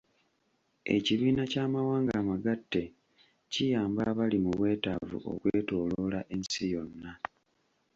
Ekibiina ky'amawanga amagatte kiyamba abali mu bwetaavu okwetooloola ensi yonna.